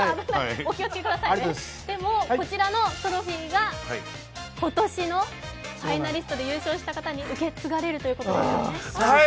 でもこちらのトロフィーが今年のファイナリストに優勝した人に受け継がれるということですよね。